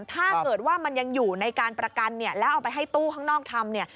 ถ้าเกิดว่ามันยังอยู่ในการประกันเนี่ยแล้วเอาไปให้ตู้ข้างนอกทำเนี่ย